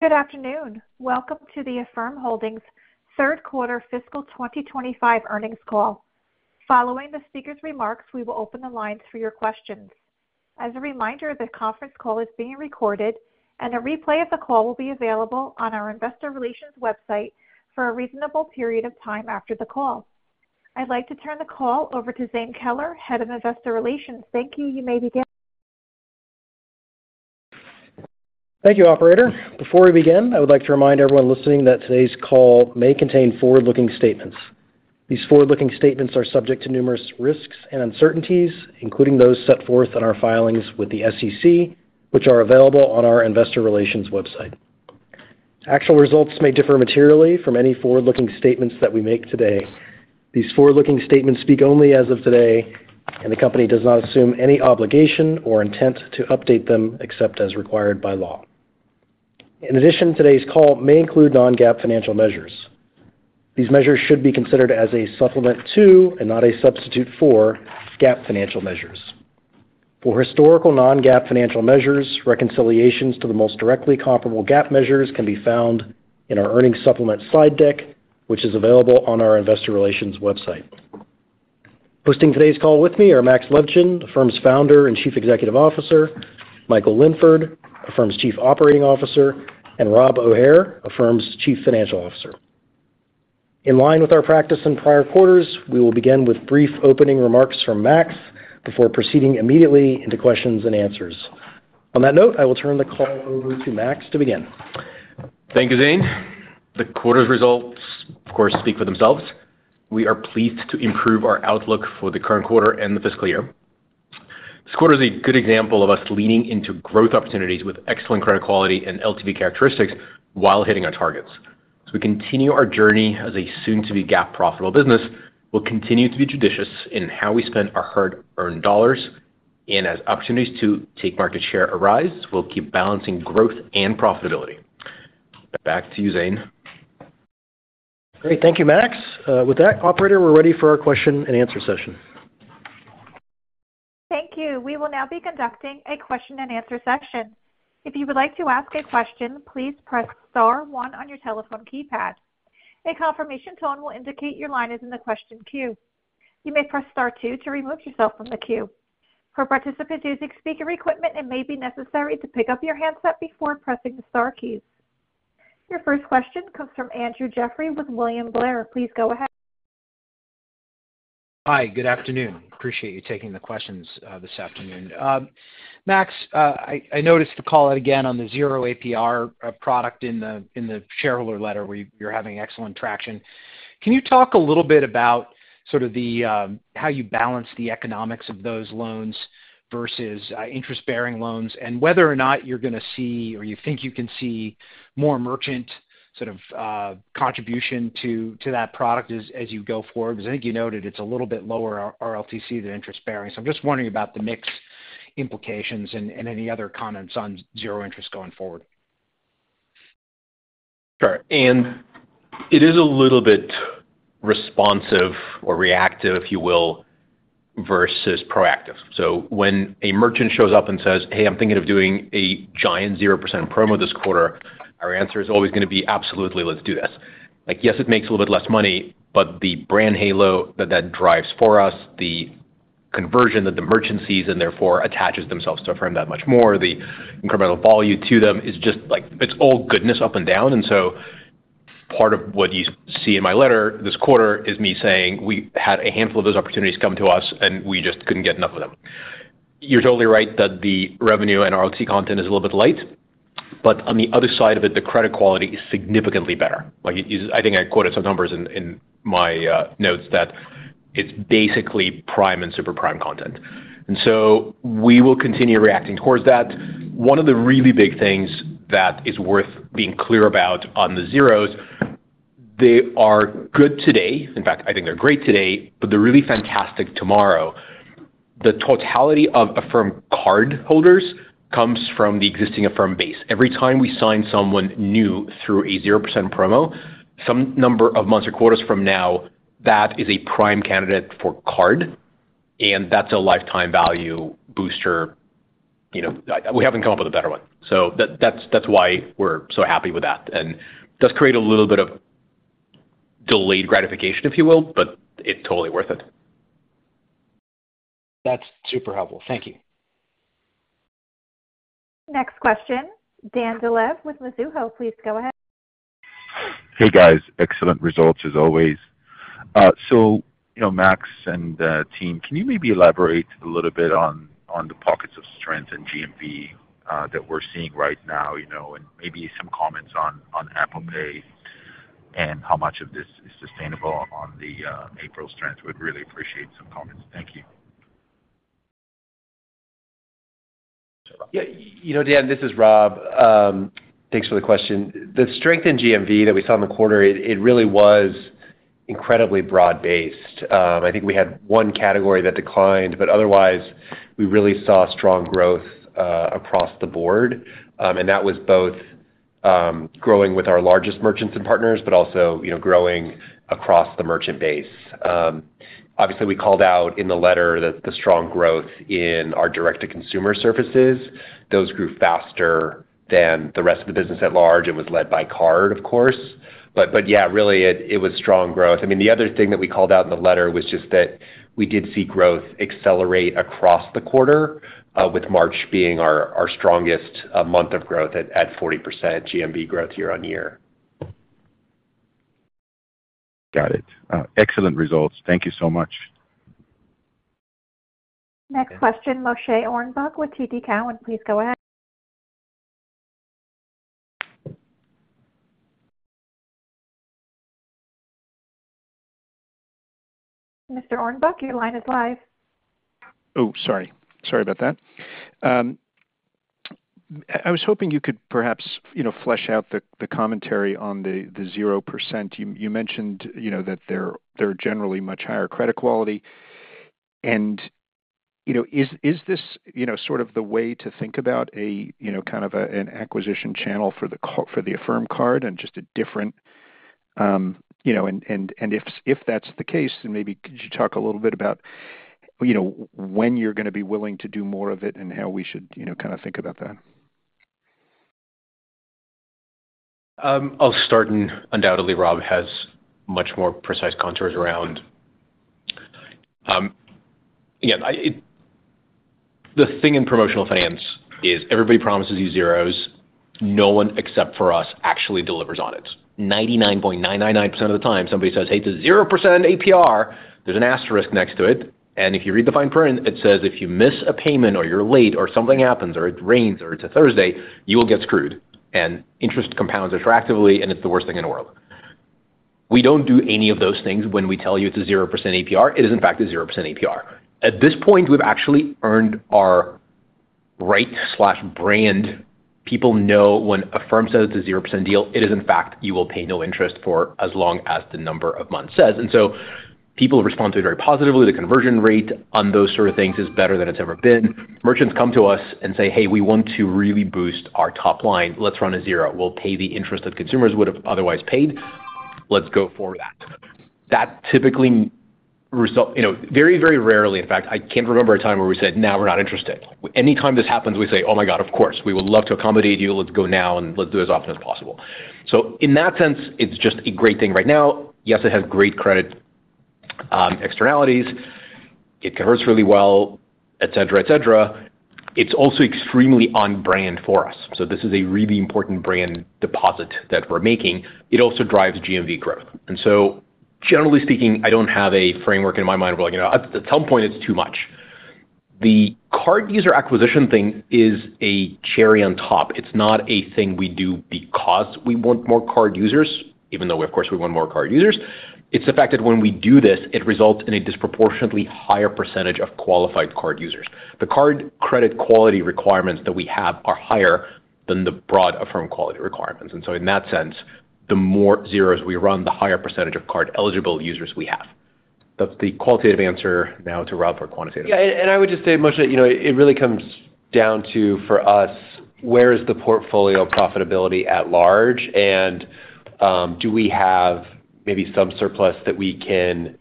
Good afternoon. Welcome to the Affirm Holdings' third quarter fiscal 2025 earnings call. Following the speaker's remarks, we will open the lines for your questions. As a reminder, the conference call is being recorded, and a replay of the call will be available on our investor relations website for a reasonable period of time after the call. I'd like to turn the call over to Zane Keller, Head of Investor Relations. Thank you. You may begin. Thank you, Operator. Before we begin, I would like to remind everyone listening that today's call may contain forward-looking statements. These forward-looking statements are subject to numerous risks and uncertainties, including those set forth in our filings with the SEC, which are available on our investor relations website. Actual results may differ materially from any forward-looking statements that we make today. These forward-looking statements speak only as of today, and the company does not assume any obligation or intent to update them except as required by law. In addition, today's call may include non-GAAP financial measures. These measures should be considered as a supplement to and not a substitute for GAAP financial measures. For historical non-GAAP financial measures, reconciliations to the most directly comparable GAAP measures can be found in our earnings supplement slide deck, which is available on our investor relations website. Hosting today's call with me are Max Levchin, Affirm's founder and Chief Executive Officer, Michael Linford, Affirm's Chief Operating Officer, and Rob O'Hare, Affirm's Chief Financial Officer. In line with our practice in prior quarters, we will begin with brief opening remarks from Max before proceeding immediately into questions and answers. On that note, I will turn the call over to Max to begin. Thank you, Zane. The quarter's results, of course, speak for themselves. We are pleased to improve our outlook for the current quarter and the fiscal year. This quarter is a good example of us leaning into growth opportunities with excellent credit quality and LTV characteristics while hitting our targets. As we continue our journey as a soon-to-be GAAP profitable business, we'll continue to be judicious in how we spend our hard-earned dollars, and as opportunities to take market share arise, we'll keep balancing growth and profitability. Back to you, Zane. Great. Thank you, Max. With that, Operator, we're ready for our question-and-answer session. Thank you. We will now be conducting a question-and-answer session. If you would like to ask a question, please press Star 1 on your telephone keypad. A confirmation tone will indicate your line is in the question queue. You may press Star 2 to remove yourself from the queue. For participants using speaker equipment, it may be necessary to pick up your handset before pressing the Star keys. Your first question comes from Andrew Jeffrey with William Blair. Please go ahead. Hi. Good afternoon. Appreciate you taking the questions this afternoon. Max, I noticed the call out again on the 0% APR product in the shareholder letter where you're having excellent traction. Can you talk a little bit about sort of how you balance the economics of those loans versus interest-bearing loans and whether or not you're going to see or you think you can see more merchant sort of contribution to that product as you go forward? Because I think you noted it's a little bit lower RLTC than interest-bearing. So I'm just wondering about the mixed implications and any other comments on 0% interest going forward. Sure. And it is a little bit responsive or reactive, if you will, versus proactive. So when a merchant shows up and says, "Hey, I'm thinking of doing a giant 0% promo this quarter," our answer is always going to be, "Absolutely. Let's do this." Yes, it makes a little bit less money, but the brand halo that that drives for us, the conversion that the merchant sees and therefore attaches themselves to Affirm that much more, the incremental value to them is just like it's all goodness up and down. And so part of what you see in my letter this quarter is me saying, "We had a handful of those opportunities come to us, and we just couldn't get enough of them." You're totally right that the revenue and RLTC content is a little bit light, but on the other side of it, the credit quality is significantly better. I think I quoted some numbers in my notes that it's basically prime and super prime content. And so we will continue reacting towards that. One of the really big things that is worth being clear about on the zeros, they are good today. In fact, I think they're great today, but they're really fantastic tomorrow. The totality of Affirm cardholders comes from the existing Affirm base. Every time we sign someone new through a 0% promo, some number of months or quarters from now, that is a prime candidate for card, and that's a lifetime value booster. We haven't come up with a better one. So that's why we're so happy with that. And it does create a little bit of delayed gratification, if you will, but it's totally worth it. That's super helpful. Thank you. Next question. Dan Dolev with Mizuho, please go ahead. Hey, guys. Excellent results as always. So Max and team, can you maybe elaborate a little bit on the pockets of strength in GMV that we're seeing right now and maybe some comments on Apple Pay and how much of this is sustainable on the April strength? We'd really appreciate some comments. Thank you. Yeah. Dan, this is Rob. Thanks for the question. The strength in GMV that we saw in the quarter, it really was incredibly broad-based. I think we had one category that declined, but otherwise, we really saw strong growth across the board. And that was both growing with our largest merchants and partners, but also growing across the merchant base. Obviously, we called out in the letter the strong growth in our direct-to-consumer services. Those grew faster than the rest of the business at large and was led by card, of course. But yeah, really, it was strong growth. I mean, the other thing that we called out in the letter was just that we did see growth accelerate across the quarter, with March being our strongest month of growth at 40% GMV growth year on year. Got it. Excellent results. Thank you so much. Next question, Moshe Orenbuch with TD Cowen. Please go ahead. Mr. Orenbuch, your line is live. Oh, sorry. Sorry about that. I was hoping you could perhaps flesh out the commentary on the 0%. You mentioned that they're generally much higher credit quality. And is this sort of the way to think about kind of an acquisition channel for the Affirm Card and just a different? And if that's the case, then maybe could you talk a little bit about when you're going to be willing to do more of it and how we should kind of think about that? I'll start, and undoubtedly, Rob has much more precise contours around. Yeah. The thing in promotional finance is everybody promises you zeros. No one except for us actually delivers on it. 99.999% of the time, somebody says, "Hey, it's a 0% APR." There's an asterisk next to it. And if you read the fine print, it says if you miss a payment or you're late or something happens or it rains or it's a Thursday, you will get screwed. And interest compounds retroactively, and it's the worst thing in the world. We don't do any of those things when we tell you it's a 0% APR. It is, in fact, a 0% APR. At this point, we've actually earned our reputation/brand. People know when Affirm says it's a 0% deal, it is, in fact, you will pay no interest for as long as the number of months says. People respond to it very positively. The conversion rate on those sort of things is better than it's ever been. Merchants come to us and say, "Hey, we want to really boost our top line. Let's run a zero. We'll pay the interest that consumers would have otherwise paid. Let's go for that." That typically results very, very rarely, in fact, I can't remember a time where we said, "Now, we're not interested." Anytime this happens, we say, "Oh, my God, of course. We would love to accommodate you. Let's go now and let's do it as often as possible." So in that sense, it's just a great thing right now. Yes, it has great credit externalities. It converts really well, etc., etc. It's also extremely on-brand for us. So this is a really important brand deposit that we're making. It also drives GMV growth. And so generally speaking, I don't have a framework in my mind where at some point it's too much. The card user acquisition thing is a cherry on top. It's not a thing we do because we want more card users, even though, of course, we want more card users. It's the fact that when we do this, it results in a disproportionately higher percentage of qualified card users. The card credit quality requirements that we have are higher than the broad Affirm quality requirements. And so in that sense, the more zeros we run, the higher percentage of card-eligible users we have. That's the qualitative answer now to Rob for quantitative. Yeah. And I would just say, Moshe, it really comes down to, for us, where is the portfolio profitability at large? And do we have maybe some surplus that we can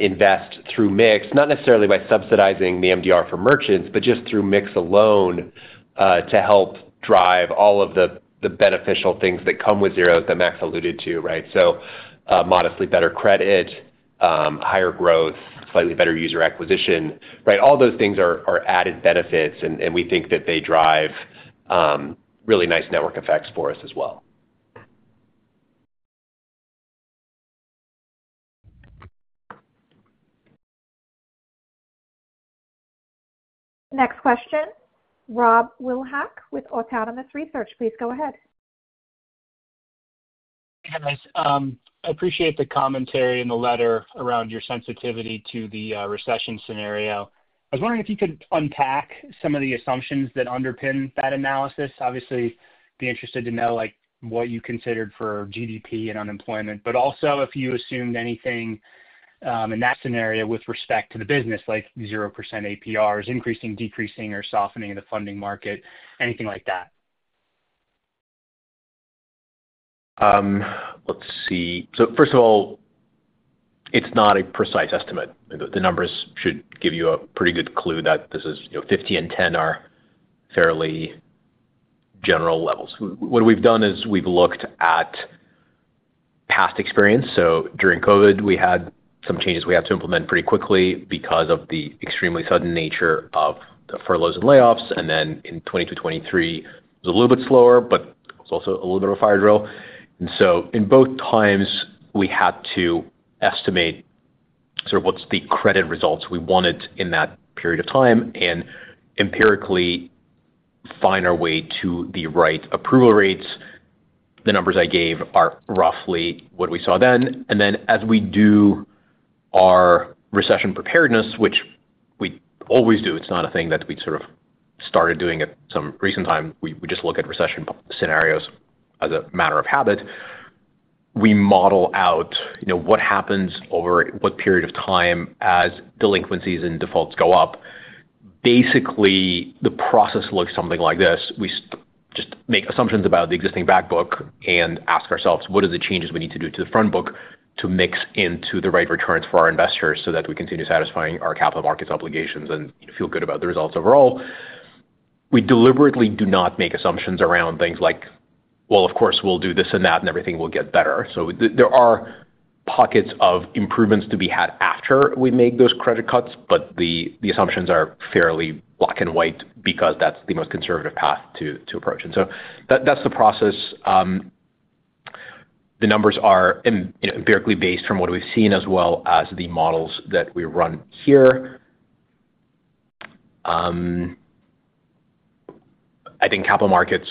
invest through mix? Not necessarily by subsidizing the MDR for merchants, but just through mix alone to help drive all of the beneficial things that come with zeros that Max alluded to, right? So modestly better credit, higher growth, slightly better user acquisition, right? All those things are added benefits, and we think that they drive really nice network effects for us as well. Next question. Rob Wildhack with Autonomous Research. Please go ahead. Hey, guys. I appreciate the commentary in the letter around your sensitivity to the recession scenario. I was wondering if you could unpack some of the assumptions that underpin that analysis. Obviously, I'd be interested to know what you considered for GDP and unemployment, but also if you assumed anything in that scenario with respect to the business, like 0% APRs, increasing, decreasing, or softening of the funding market, anything like that. Let's see, so first of all, it's not a precise estimate. The numbers should give you a pretty good clue that this is 50 and 10 are fairly general levels. What we've done is we've looked at past experience, so during COVID, we had some changes we had to implement pretty quickly because of the extremely sudden nature of the furloughs and layoffs. And then in 2022, 2023, it was a little bit slower, but it was also a little bit of a fire drill. And so in both times, we had to estimate sort of what's the credit results we wanted in that period of time and empirically find our way to the right approval rates. The numbers I gave are roughly what we saw then. And then as we do our recession preparedness, which we always do, it's not a thing that we sort of started doing at some recent time. We just look at recession scenarios as a matter of habit. We model out what happens over what period of time as delinquencies and defaults go up. Basically, the process looks something like this. We just make assumptions about the existing back book and ask ourselves, "What are the changes we need to do to the front book to mix into the right returns for our investors so that we continue satisfying our capital markets obligations and feel good about the results overall?" We deliberately do not make assumptions around things like, "Well, of course, we'll do this and that, and everything will get better." So there are pockets of improvements to be had after we make those credit cuts, but the assumptions are fairly black and white because that's the most conservative path to approach, and so that's the process. The numbers are empirically based from what we've seen as well as the models that we run here. I think capital markets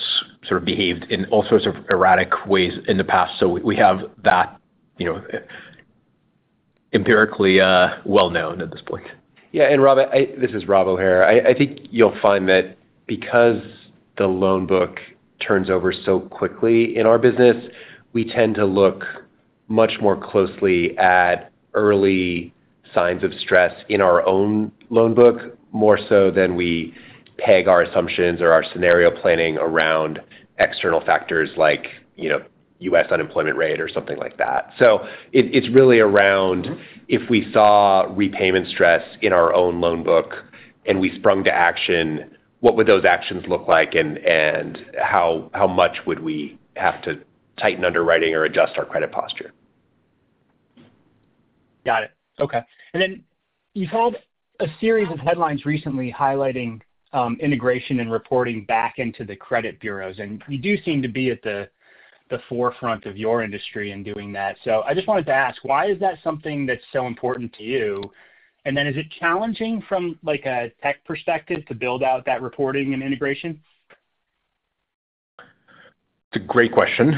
sort of behaved in all sorts of erratic ways in the past, so we have that empirically well-known at this point. Yeah. And Rob, this is Rob O'Hare. I think you'll find that because the loan book turns over so quickly in our business, we tend to look much more closely at early signs of stress in our own loan book more so than we peg our assumptions or our scenario planning around external factors like U.S. unemployment rate or something like that. So it's really around if we saw repayment stress in our own loan book and we sprung to action, what would those actions look like and how much would we have to tighten underwriting or adjust our credit posture? Got it. Okay. And then you've had a series of headlines recently highlighting integration and reporting back into the credit bureaus. And you do seem to be at the forefront of your industry in doing that. So I just wanted to ask, why is that something that's so important to you? And then is it challenging from a tech perspective to build out that reporting and integration? It's a great question.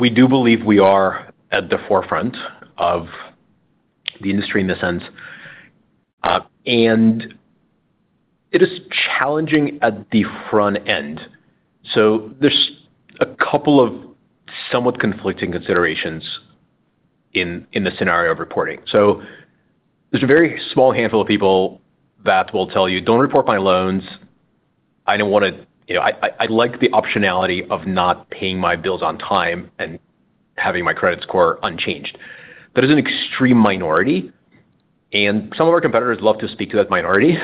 We do believe we are at the forefront of the industry in this sense. And it is challenging at the front end. So there's a couple of somewhat conflicting considerations in the scenario of reporting. So there's a very small handful of people that will tell you, "Don't report my loans. I don't want to. I like the optionality of not paying my bills on time and having my credit score unchanged." That is an extreme minority. And some of our competitors love to speak to that minority.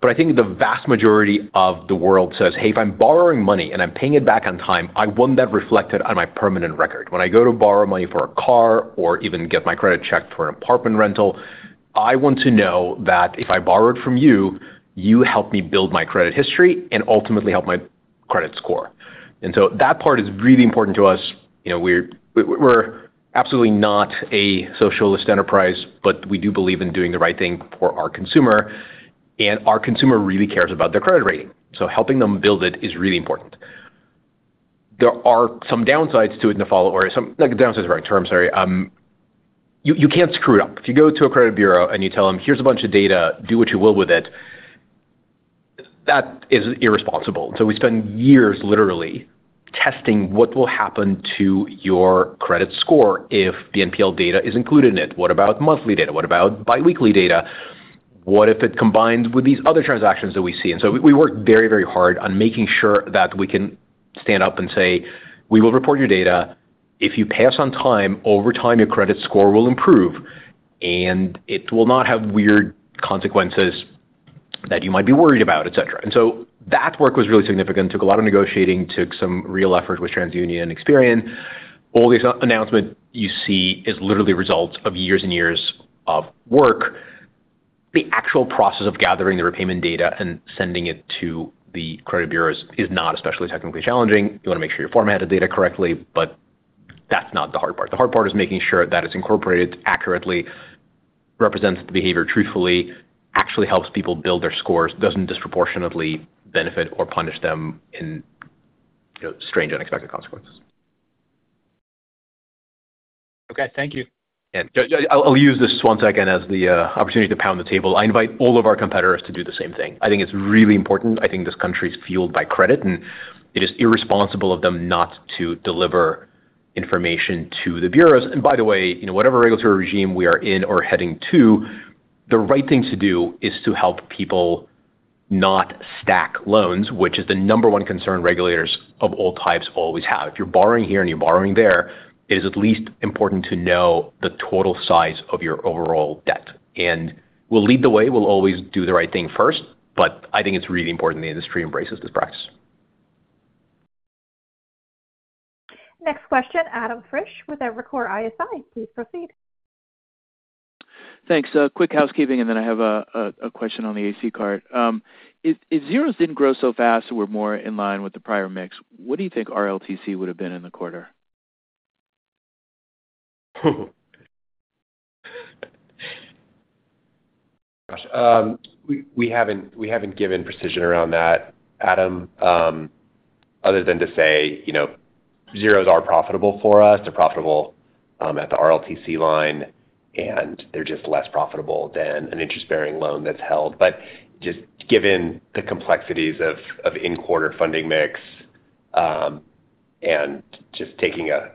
But I think the vast majority of the world says, "Hey, if I'm borrowing money and I'm paying it back on time, I want that reflected on my permanent record. When I go to borrow money for a car or even get my credit checked for an apartment rental, I want to know that if I borrowed from you, you helped me build my credit history and ultimately helped my credit score." And so that part is really important to us. We're absolutely not a socialist enterprise, but we do believe in doing the right thing for our consumer. And our consumer really cares about their credit rating. So helping them build it is really important. There are some downsides to it in the fallout, or some downsides, right? Terms, sorry. You can't screw it up. If you go to a credit bureau and you tell them, "Here's a bunch of data. Do what you will with it," that is irresponsible. And so we spend years literally testing what will happen to your credit score if the NPL data is included in it. What about monthly data? What about biweekly data? What if it combines with these other transactions that we see? And so we work very, very hard on making sure that we can stand up and say, "We will report your data. If you pay us on time, over time, your credit score will improve, and it will not have weird consequences that you might be worried about," etc. And so that work was really significant. Took a lot of negotiating. Took some real effort with TransUnion and Experian. All these announcements you see is literally results of years and years of work. The actual process of gathering the repayment data and sending it to the credit bureaus is not especially technically challenging. You want to make sure you formatted data correctly, but that's not the hard part. The hard part is making sure that it's incorporated accurately, represents the behavior truthfully, actually helps people build their scores, doesn't disproportionately benefit or punish them in strange, unexpected consequences. Okay. Thank you. Yeah. I'll use this one second as the opportunity to pound the table. I invite all of our competitors to do the same thing. I think it's really important. I think this country is fueled by credit, and it is irresponsible of them not to deliver information to the bureaus. And by the way, whatever regulatory regime we are in or heading to, the right thing to do is to help people not stack loans, which is the number one concern regulators of all types always have. If you're borrowing here and you're borrowing there, it is at least important to know the total size of your overall debt. And we'll lead the way. We'll always do the right thing first, but I think it's really important the industry embraces this practice. Next question, Adam Frisch with Evercore ISI. Please proceed. Thanks. Quick housekeeping, and then I have a question on the Affirm Card. If zeros didn't grow so fast and were more in line with the prior mix, what do you think RLTC would have been in the quarter? Gosh. We haven't given precision around that, Adam, other than to say zeros are profitable for us. They're profitable at the RLTC line, and they're just less profitable than an interest-bearing loan that's held. But just given the complexities of in-quarter funding mix and just taking a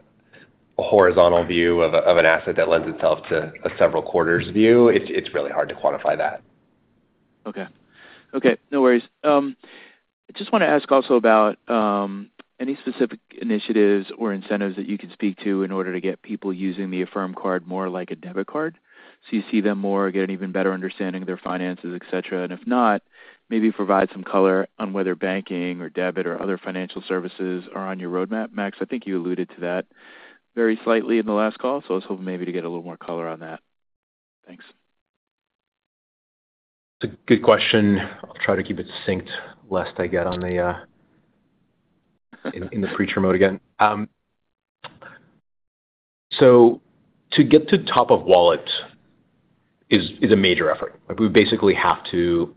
horizontal view of an asset that lends itself to a several quarters view, it's really hard to quantify that. Okay. Okay. No worries. I just want to ask also about any specific initiatives or incentives that you can speak to in order to get people using the Affirm Card more like a debit card so you see them more, get an even better understanding of their finances, etc. And if not, maybe provide some color on whether banking or debit or other financial services are on your roadmap. Max, I think you alluded to that very slightly in the last call, so I was hoping maybe to get a little more color on that. Thanks. It's a good question. I'll try to keep it succinct lest I get in the preacher mode again. So to get to top-of-wallet is a major effort. We basically have to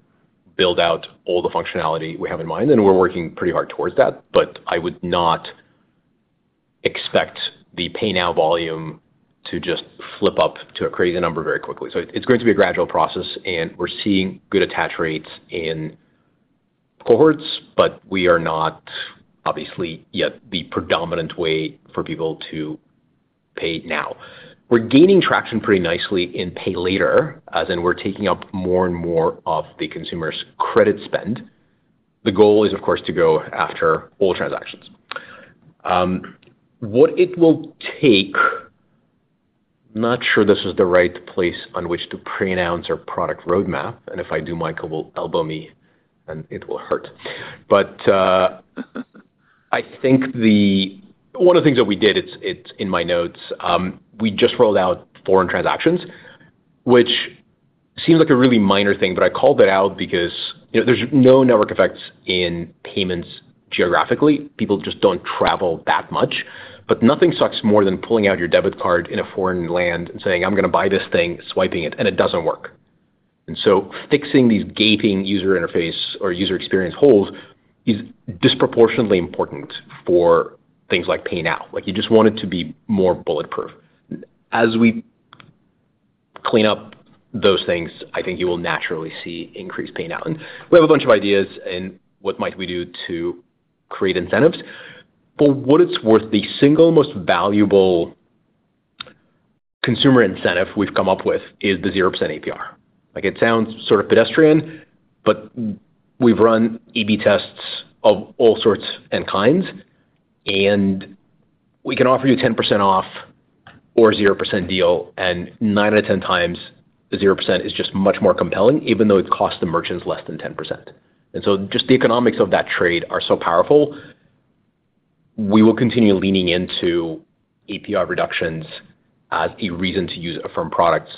build out all the functionality we have in mind, and we're working pretty hard towards that. But I would not expect the pay now volume to just flip up to a crazy number very quickly. So it's going to be a gradual process, and we're seeing good attach rates in cohorts, but we are not obviously yet the predominant way for people to pay now. We're gaining traction pretty nicely in pay later, as in we're taking up more and more of the consumer's credit spend. The goal is, of course, to go after all transactions. What it will take. I'm not sure this is the right place on which to pronounce our product roadmap. If I do, Michael will elbow me, and it will hurt. I think one of the things that we did, it's in my notes, we just rolled out foreign transactions, which seems like a really minor thing, but I called it out because there's no network effects in payments geographically. People just don't travel that much. Nothing sucks more than pulling out your debit card in a foreign land and saying, "I'm going to buy this thing," swiping it, and it doesn't work. Fixing these gaping user interface or user experience holes is disproportionately important for things like pay now. You just want it to be more bulletproof. As we clean up those things, I think you will naturally see increased pay now. We have a bunch of ideas in what might we do to create incentives. But what it's worth, the single most valuable consumer incentive we've come up with is the 0% APR. It sounds sort of pedestrian, but we've run A/B tests of all sorts and kinds, and we can offer you 10% off or a 0% deal, and nine out of 10 times, the 0% is just much more compelling, even though it costs the merchants less than 10%. And so just the economics of that trade are so powerful. We will continue leaning into APR reductions as a reason to use Affirm products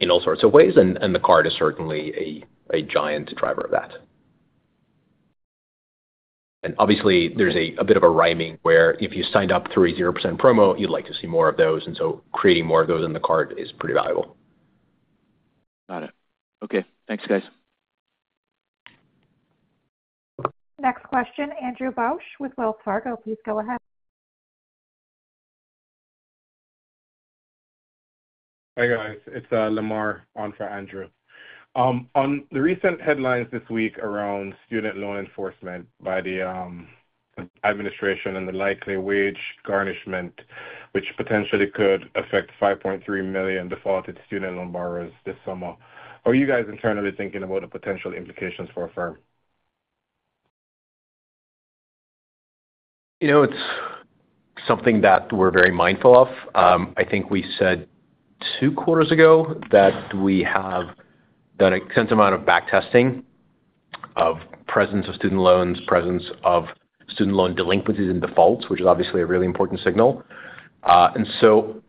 in all sorts of ways, and the card is certainly a giant driver of that. And obviously, there's a bit of a rhyming where if you signed up through a 0% promo, you'd like to see more of those. And so creating more of those in the card is pretty valuable. Got it. Okay. Thanks, guys. Next question, Andrew Bauch with Wells Fargo. Please go ahead. Hi guys. It's Lemar, on for Andrew. On the recent headlines this week around student loan enforcement by the administration and the likely wage garnishment, which potentially could affect 5.3 million defaulted student loan borrowers this summer, are you guys internally thinking about the potential implications for Affirm? It's something that we're very mindful of. I think we said two quarters ago that we have done an extensive amount of back testing of presence of student loans, presence of student loan delinquencies and defaults, which is obviously a really important signal. And so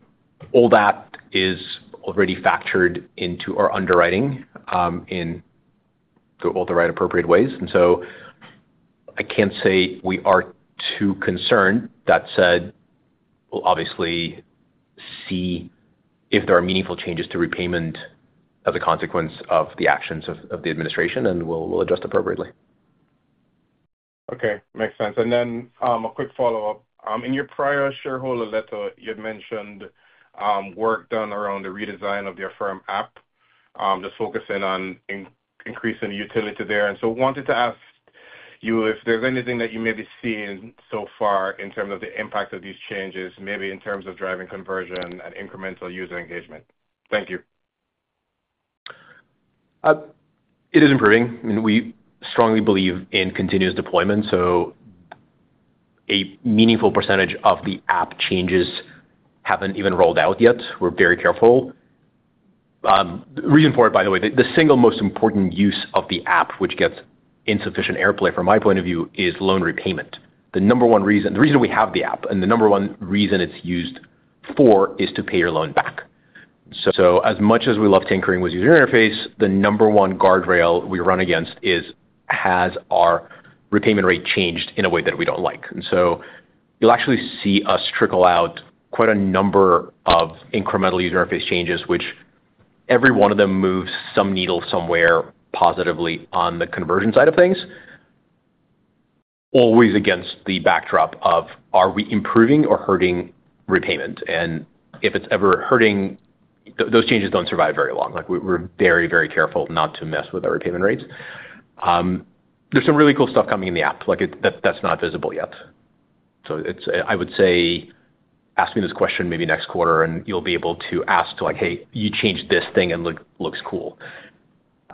all that is already factored into our underwriting in all the right appropriate ways. And so I can't say we are too concerned. That said, we'll obviously see if there are meaningful changes to repayment as a consequence of the actions of the administration, and we'll adjust appropriately. Okay. Makes sense. And then a quick follow-up. In your prior shareholder letter, you had mentioned work done around the redesign of the Affirm app, just focusing on increasing utility there. And so I wanted to ask you if there's anything that you may be seeing so far in terms of the impact of these changes, maybe in terms of driving conversion and incremental user engagement. Thank you. It is improving. I mean, we strongly believe in continuous deployment. So a meaningful percentage of the app changes haven't even rolled out yet. We're very careful. The reason for it, by the way, the single most important use of the app, which gets insufficient airplay from my point of view, is loan repayment. The number one reason, the reason we have the app and the number one reason it's used for is to pay your loan back. So as much as we love tinkering with user interface, the number one guardrail we run against is, has our repayment rate changed in a way that we don't like? And so you'll actually see us trickle out quite a number of incremental user interface changes, which every one of them moves some needle somewhere positively on the conversion side of things, always against the backdrop of, are we improving or hurting repayment? If it's ever hurting, those changes don't survive very long. We're very, very careful not to mess with our repayment rates. There's some really cool stuff coming in the app. That's not visible yet. I would say ask me this question maybe next quarter, and you'll be able to ask to like, "Hey, you changed this thing and it looks cool."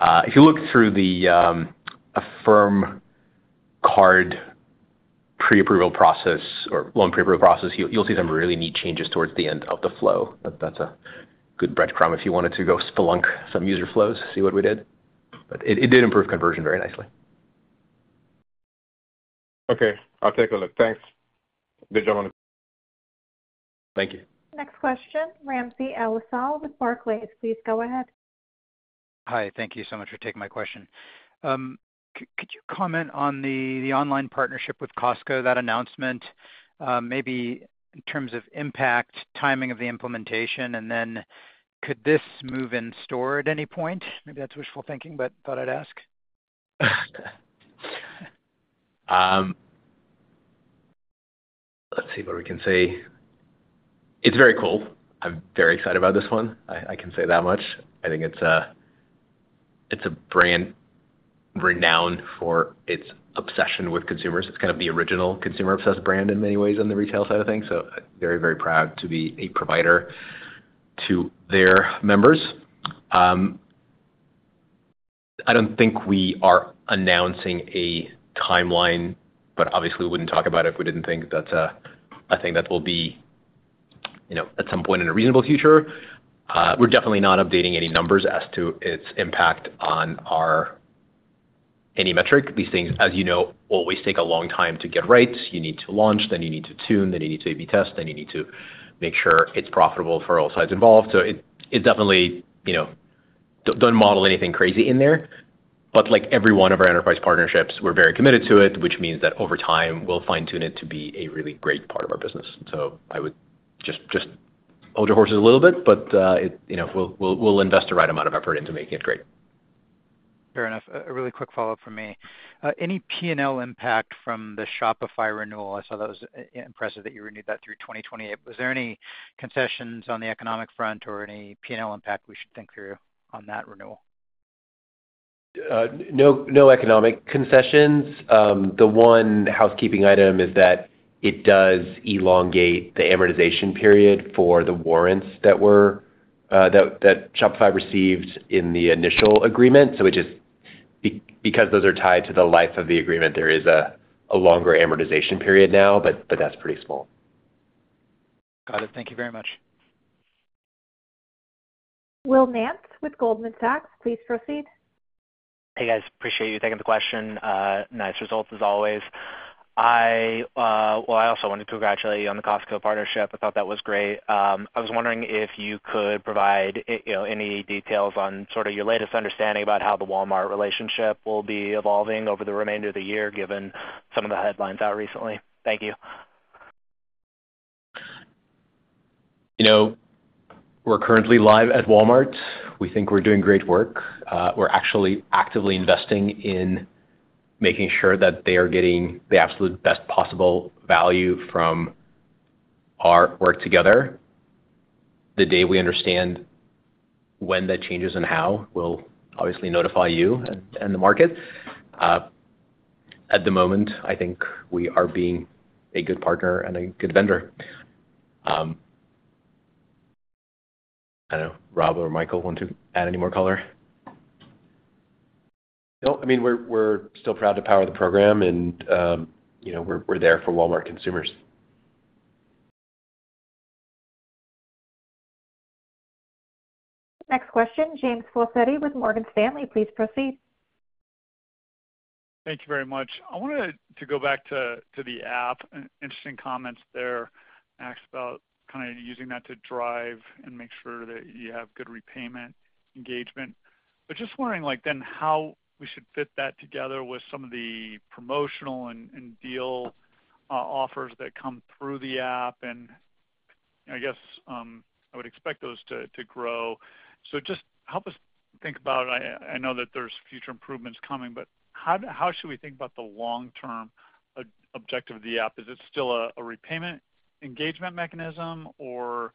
If you look through the Affirm Card pre-approval process or loan pre-approval process, you'll see some really neat changes towards the end of the flow. That's a good breadcrumb if you wanted to go spelunk some user flows, see what we did. It did improve conversion very nicely. Okay. I'll take a look. Thanks. Good job on it. Thank you. Next question, Ramsey El-Assal with Barclays. Please go ahead. Hi. Thank you so much for taking my question. Could you comment on the online partnership with Costco, that announcement, maybe in terms of impact, timing of the implementation, and then could this move in store at any point? Maybe that's wishful thinking, but thought I'd ask. Let's see what we can see. It's very cool. I'm very excited about this one. I can say that much. I think it's a brand renowned for its obsession with consumers. It's kind of the original consumer-obsessed brand in many ways on the retail side of things. So very, very proud to be a provider to their members. I don't think we are announcing a timeline, but obviously, we wouldn't talk about it if we didn't think that's a thing that will be at some point in a reasonable future. We're definitely not updating any numbers as to its impact on any metric. These things, as you know, always take a long time to get right. You need to launch, then you need to tune, then you need to A/B test, then you need to make sure it's profitable for all sides involved. So it's definitely don't model anything crazy in there. But like every one of our enterprise partnerships, we're very committed to it, which means that over time, we'll fine-tune it to be a really great part of our business. So I would just hold your horses a little bit, but we'll invest the right amount of effort into making it great. Fair enough. A really quick follow-up from me. Any P&L impact from the Shopify renewal? I saw that was impressive that you renewed that through 2020. Was there any concessions on the economic front or any P&L impact we should think through on that renewal? No economic concessions. The one housekeeping item is that it does elongate the amortization period for the warrants that Shopify received in the initial agreement, so because those are tied to the life of the agreement, there is a longer amortization period now, but that's pretty small. Got it. Thank you very much. Will Nance with Goldman Sachs. Please proceed. Hey, guys. Appreciate you taking the question. Nice results as always. I also wanted to congratulate you on the Costco partnership. I thought that was great. I was wondering if you could provide any details on sort of your latest understanding about how the Walmart relationship will be evolving over the remainder of the year given some of the headlines out recently? Thank you. We're currently live at Walmart. We think we're doing great work. We're actually actively investing in making sure that they are getting the absolute best possible value from our work together. The day we understand when that changes and how, we'll obviously notify you and the market. At the moment, I think we are being a good partner and a good vendor. I don't know. Rob or Michael want to add any more color? Nope. I mean, we're still proud to power the program, and we're there for Walmart consumers. Next question, James Faucette with Morgan Stanley. Please proceed. Thank you very much. I wanted to go back to the app and interesting comments there. Asked about kind of using that to drive and make sure that you have good repayment engagement, but just wondering then how we should fit that together with some of the promotional and deal offers that come through the app. And I guess I would expect those to grow, so just help us think about it. I know that there's future improvements coming, but how should we think about the long-term objective of the app? Is it still a repayment engagement mechanism, or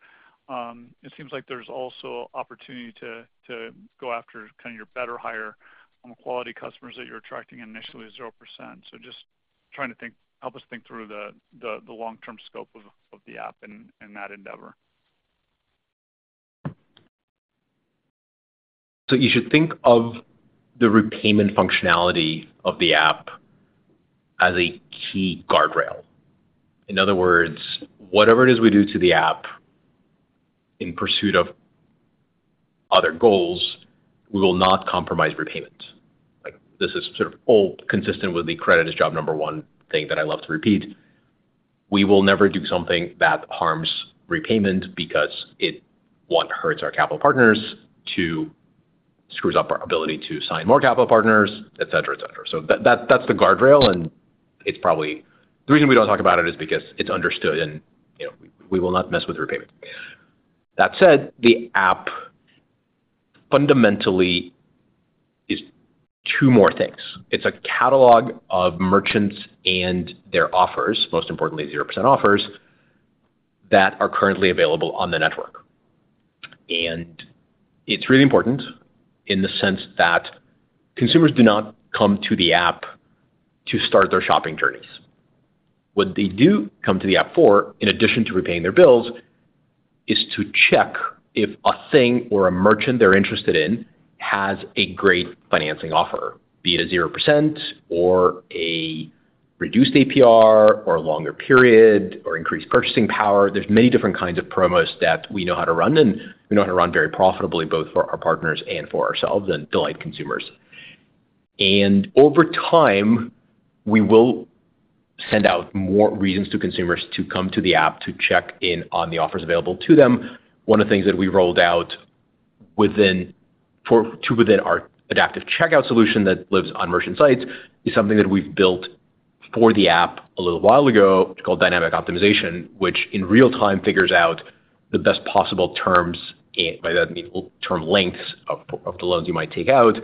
it seems like there's also opportunity to go after kind of your better, higher-quality customers that you're attracting initially at 0%, so just trying to help us think through the long-term scope of the app and that endeavor. So you should think of the repayment functionality of the app as a key guardrail. In other words, whatever it is we do to the app in pursuit of other goals, we will not compromise repayment. This is sort of all consistent with the credit is job number one thing that I love to repeat. We will never do something that harms repayment because it, one, hurts our capital partners, two, screws up our ability to sign more capital partners, etc., etc. So that's the guardrail, and the reason we don't talk about it is because it's understood, and we will not mess with repayment. That said, the app fundamentally is two more things. It's a catalog of merchants and their offers, most importantly, 0% offers that are currently available on the network. It's really important in the sense that consumers do not come to the app to start their shopping journeys. What they do come to the app for, in addition to repaying their bills, is to check if a thing or a merchant they're interested in has a great financing offer, be it a 0% or a reduced APR or a longer period or increased purchasing power. There's many different kinds of promos that we know how to run, and we know how to run very profitably both for our partners and for ourselves and delight consumers. And over time, we will send out more reasons to consumers to come to the app to check in on the offers available to them. One of the things that we rolled out to within our Adaptive Checkout solution that lives on merchant sites is something that we've built for the app a little while ago, called dynamic optimization, which in real time figures out the best possible terms by that term lengths of the loans you might take out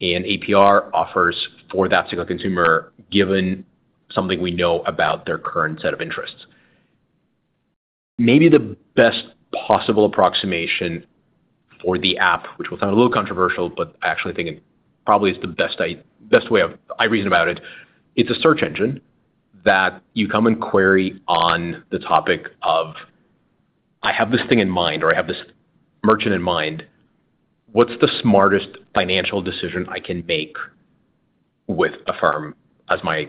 and APR offers for that single consumer given something we know about their current set of interests. Maybe the best possible approximation for the app, which will sound a little controversial, but I actually think it probably is the best way I reason about it. It's a search engine that you come and query on the topic of, "I have this thing in mind," or, "I have this merchant in mind. What's the smartest financial decision I can make with Affirm as my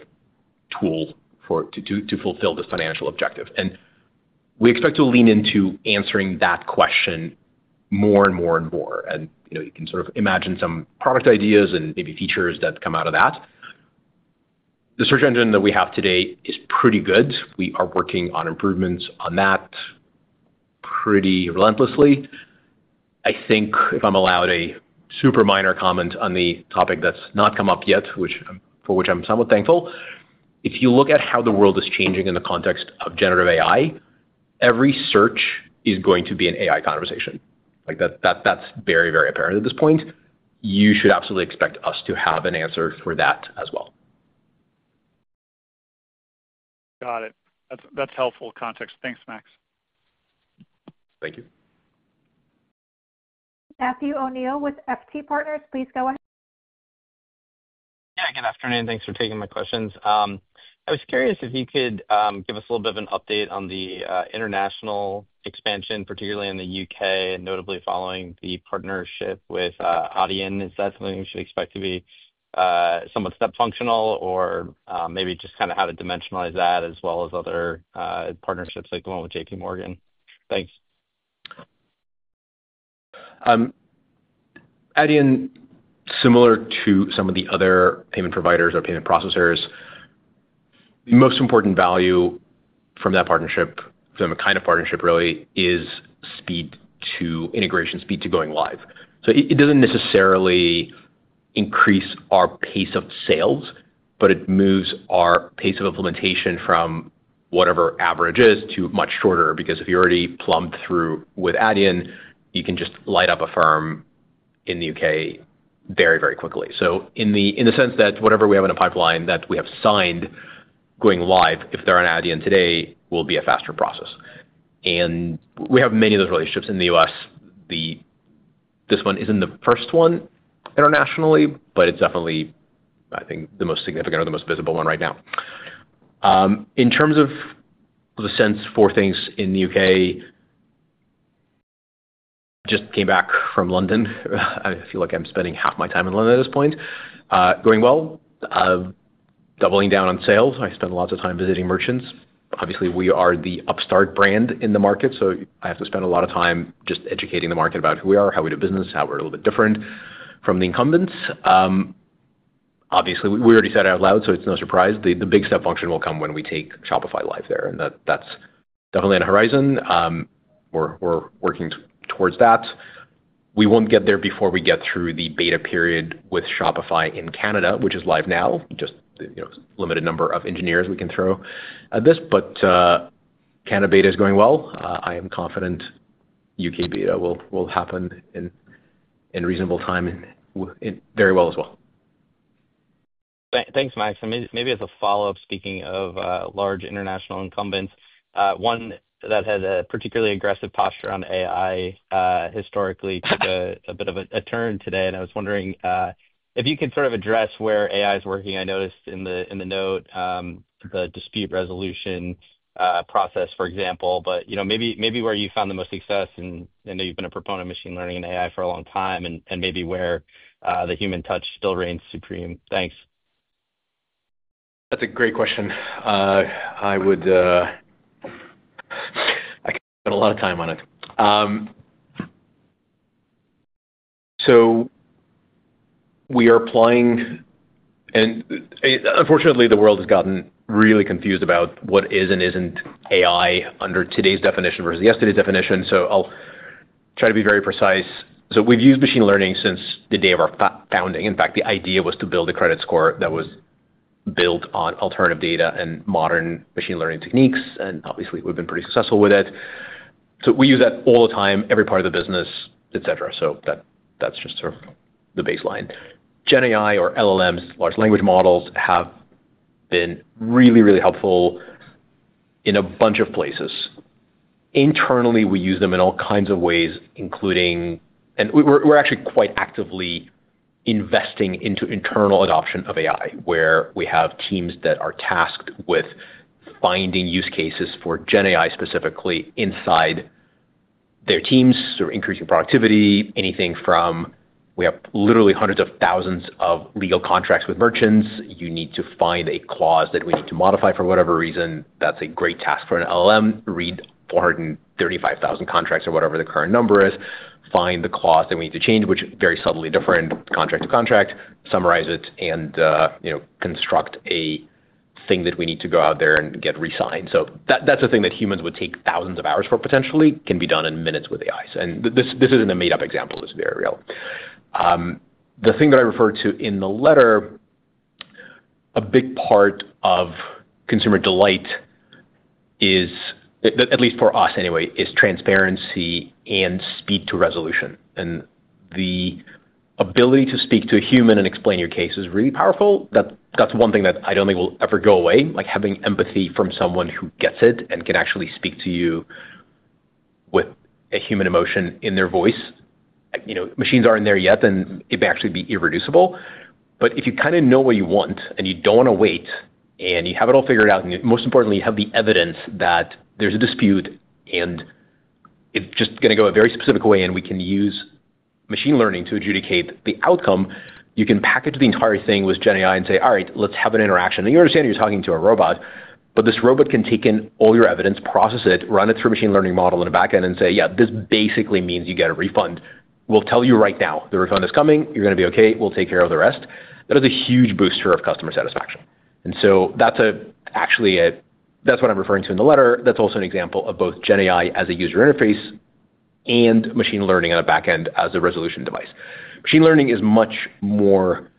tool to fulfill this financial objective?" We expect to lean into answering that question more and more and more. You can sort of imagine some product ideas and maybe features that come out of that. The search engine that we have today is pretty good. We are working on improvements on that pretty relentlessly. I think if I'm allowed a super minor comment on the topic that's not come up yet, for which I'm somewhat thankful, if you look at how the world is changing in the context of generative AI, every search is going to be an AI conversation. That's very, very apparent at this point. You should absolutely expect us to have an answer for that as well. Got it. That's helpful context. Thanks, Max. Thank you. Matthew O'Neill with FT Partners. Please go ahead. Yeah. Good afternoon. Thanks for taking my questions. I was curious if you could give us a little bit of an update on the international expansion, particularly in the UK, notably following the partnership with Adyen. Is that something we should expect to be somewhat step functional, or maybe just kind of how to dimensionalize that as well as other partnerships like the one with JPMorgan? Thanks. Adyen, similar to some of the other payment providers or payment processors, the most important value from that partnership, from the kind of partnership really, is speed to integration, speed to going live. So it doesn't necessarily increase our pace of sales, but it moves our pace of implementation from whatever average is to much shorter because if you're already plumbed through with Adyen, you can just light up Affirm in the U.K. very, very quickly. So in the sense that whatever we have in a pipeline that we have signed going live, if they're on Adyen today, will be a faster process. And we have many of those relationships in the U.S. This one isn't the first one internationally, but it's definitely, I think, the most significant or the most visible one right now. In terms of the sense for things in the U.K., just came back from London. I feel like I'm spending half my time in London at this point. Going well, doubling down on sales. I spend lots of time visiting merchants. Obviously, we are the upstart brand in the market, so I have to spend a lot of time just educating the market about who we are, how we do business, how we're a little bit different from the incumbents. Obviously, we already said it out loud, so it's no surprise. The big step function will come when we take Shopify live there, and that's definitely on the horizon. We're working towards that. We won't get there before we get through the beta period with Shopify in Canada, which is live now. Just limited number of engineers we can throw at this, but Canada beta is going well. I am confident U.K. beta will happen in reasonable time very well as well. Thanks, Max. And maybe as a follow-up, speaking of large international incumbents, one that had a particularly aggressive posture on AI historically took a bit of a turn today. And I was wondering if you could sort of address where AI is working. I noticed in the note the dispute resolution process, for example, but maybe where you found the most success. And I know you've been a proponent of machine learning and AI for a long time, and maybe where the human touch still reigns supreme. Thanks. That's a great question. I could spend a lot of time on it. So we are applying, and unfortunately, the world has gotten really confused about what is and isn't AI under today's definition versus yesterday's definition. So I'll try to be very precise. So we've used machine learning since the day of our founding. In fact, the idea was to build a credit score that was built on alternative data and modern machine learning techniques. And obviously, we've been pretty successful with it. So we use that all the time, every part of the business, etc. So that's just sort of the baseline. GenAI or LLMs, large language models, have been really, really helpful in a bunch of places. Internally, we use them in all kinds of ways, including we're actually quite actively investing into internal adoption of AI, where we have teams that are tasked with finding use cases for GenAI specifically inside their teams or increasing productivity. Anything from we have literally hundreds of thousands of legal contracts with merchants. You need to find a clause that we need to modify for whatever reason. That's a great task for an LLM. Read 435,000 contracts or whatever the current number is. Find the clause that we need to change, which is very subtly different contract to contract, summarize it, and construct a thing that we need to go out there and get re-signed. So that's a thing that humans would take thousands of hours for, potentially can be done in minutes with AI. And this isn't a made-up example. This is very real. The thing that I referred to in the letter, a big part of consumer delight, at least for us anyway, is transparency and speed to resolution, and the ability to speak to a human and explain your case is really powerful. That's one thing that I don't think will ever go away. Having empathy from someone who gets it and can actually speak to you with a human emotion in their voice. Machines aren't there yet, and it may actually be irreducible. But if you kind of know what you want and you don't want to wait and you have it all figured out, and most importantly, you have the evidence that there's a dispute and it's just going to go a very specific way and we can use machine learning to adjudicate the outcome, you can package the entire thing with GenAI and say, "All right, let's have an interaction." And you understand you're talking to a robot, but this robot can take in all your evidence, process it, run it through a machine learning model in the backend, and say, "Yeah, this basically means you get a refund. We'll tell you right now the refund is coming. You're going to be okay. We'll take care of the rest." That is a huge booster of customer satisfaction. And so that's actually what I'm referring to in the letter. That's also an example of both GenAI as a user interface and machine learning on a backend as a resolution device. Machine learning is much more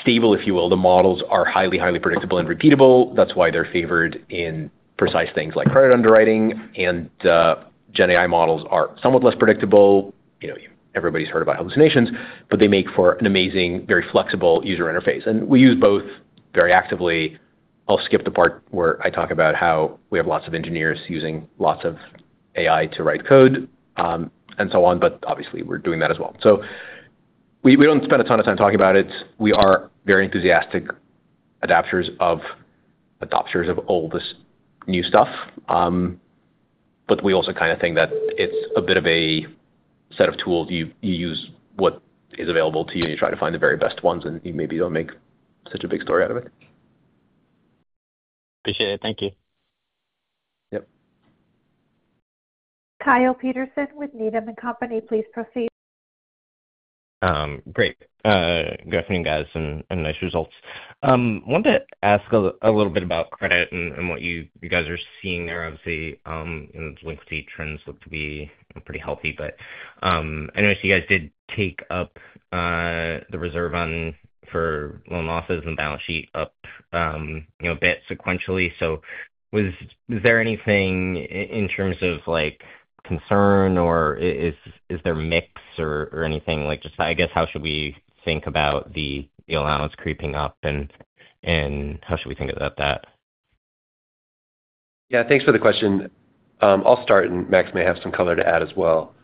stable, if you will. The models are highly, highly predictable and repeatable. That's why they're favored in precise things like credit underwriting. And GenAI models are somewhat less predictable. Everybody's heard about hallucinations, but they make for an amazing, very flexible user interface. And we use both very actively. I'll skip the part where I talk about how we have lots of engineers using lots of AI to write code and so on, but obviously, we're doing that as well. So we don't spend a ton of time talking about it. We are very enthusiastic adopters of all this new stuff, but we also kind of think that it's a bit of a set of tools. You use what is available to you, and you try to find the very best ones, and you maybe don't make such a big story out of it. Appreciate it. Thank you. Yep. Kyle Peterson with Needham & Company. Please proceed. Great. Good afternoon, guys, and nice results. I wanted to ask a little bit about credit and what you guys are seeing there, obviously, and the delinquency trends look to be pretty healthy. But I noticed you guys did take up the reserve for loan losses and balance sheet up a bit sequentially. So is there anything in terms of concern, or is there mix or anything? Just I guess, how should we think about the allowance creeping up, and how should we think about that? Yeah. Thanks for the question. I'll start, and Max may have some color to add as well.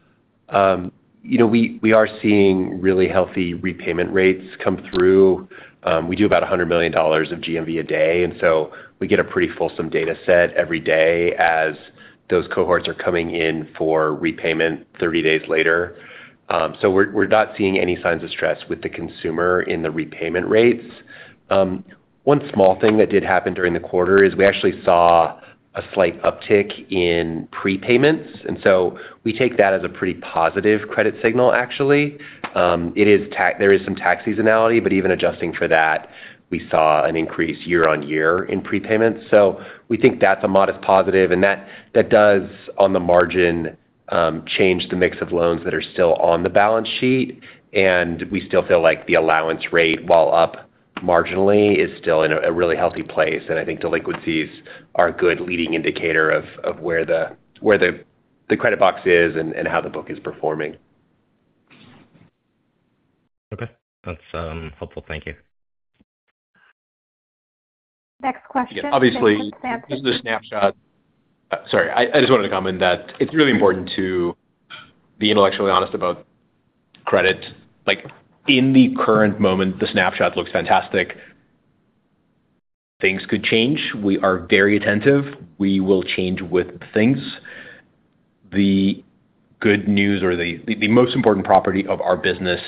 We are seeing really healthy repayment rates come through. We do about $100 million of GMV a day, and so we get a pretty fulsome data set every day as those cohorts are coming in for repayment 30 days later. So we're not seeing any signs of stress with the consumer in the repayment rates. One small thing that did happen during the quarter is we actually saw a slight uptick in prepayments. And so we take that as a pretty positive credit signal, actually. There is some tax seasonality, but even adjusting for that, we saw an increase year on year in prepayments. So we think that's a modest positive, and that does, on the margin, change the mix of loans that are still on the balance sheet. We still feel like the allowance rate, while up marginally, is still in a really healthy place. I think delinquencies are a good leading indicator of where the credit box is and how the book is performing. Okay. That's helpful. Thank you. Next question. Obviously, this is a snapshot. Sorry. I just wanted to comment that it's really important to be intellectually honest about credit. In the current moment, the snapshot looks fantastic. Things could change. We are very attentive. We will change with things. The good news or the most important property of our business,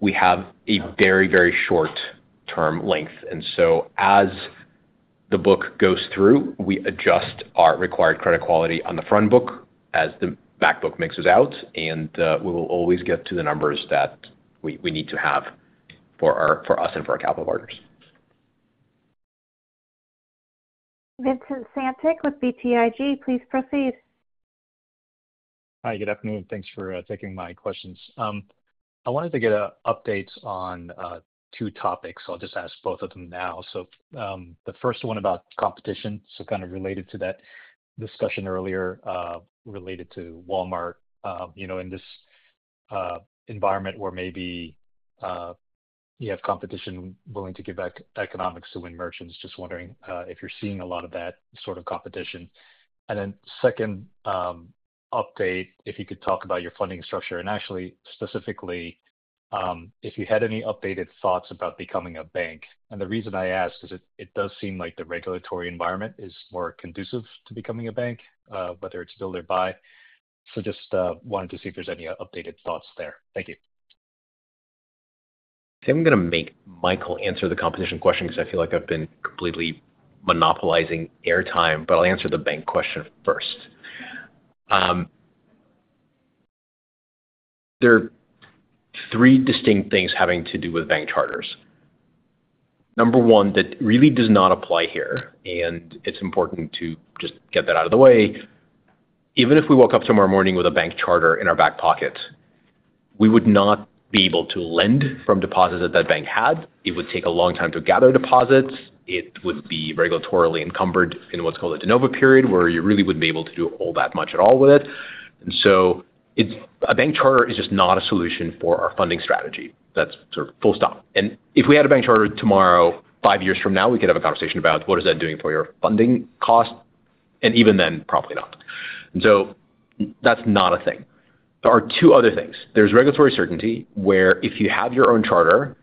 we have a very, very short-term length. And so as the book goes through, we adjust our required credit quality on the front book as the back book mixes out, and we will always get to the numbers that we need to have for us and for our capital partners. Vincent Caintic with BTIG. Please proceed. Hi. Good afternoon. Thanks for taking my questions. I wanted to get an update on two topics. I'll just ask both of them now. So the first one about competition, so kind of related to that discussion earlier related to Walmart in this environment where maybe you have competition willing to give back economics to win merchants. Just wondering if you're seeing a lot of that sort of competition? And then second update, if you could talk about your funding structure and actually specifically if you had any updated thoughts about becoming a bank? And the reason I ask is it does seem like the regulatory environment is more conducive to becoming a bank, whether it's still nearby. So just wanted to see if there's any updated thoughts there? Thank you. I think I'm going to make Michael answer the competition question because I feel like I've been completely monopolizing airtime, but I'll answer the bank question first. There are three distinct things having to do with bank charters. Number one, that really does not apply here, and it's important to just get that out of the way. Even if we woke up tomorrow morning with a bank charter in our back pocket, we would not be able to lend from deposits that that bank had. It would take a long time to gather deposits. It would be regulatorily encumbered in what's called a de novo period where you really wouldn't be able to do all that much at all with it. And so a bank charter is just not a solution for our funding strategy. That's sort of full stop. If we had a bank charter tomorrow, five years from now, we could have a conversation about what is that doing for your funding cost? Even then, probably not. So that's not a thing. There are two other things. There's regulatory certainty where if you have your own charter,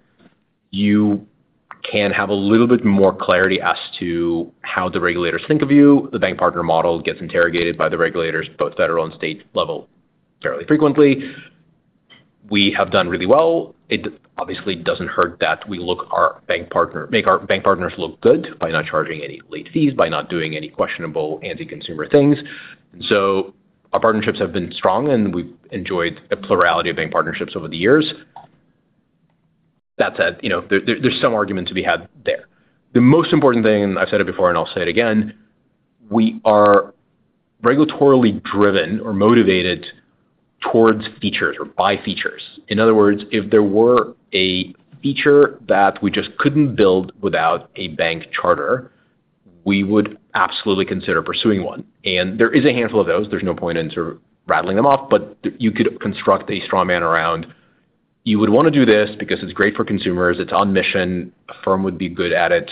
you can have a little bit more clarity as to how the regulators think of you. The bank partner model gets interrogated by the regulators, both federal and state level, fairly frequently. We have done really well. It obviously doesn't hurt that we make our bank partners look good by not charging any late fees, by not doing any questionable anti-consumer things. Our partnerships have been strong, and we've enjoyed a plurality of bank partnerships over the years. That said, there's some argument to be had there. The most important thing, and I've said it before, and I'll say it again, we are regulatorily driven or motivated towards features or by features. In other words, if there were a feature that we just couldn't build without a bank charter, we would absolutely consider pursuing one. And there is a handful of those. There's no point in sort of rattling them off, but you could construct a straw man around, "You would want to do this because it's great for consumers. It's on mission. Affirm would be good at it.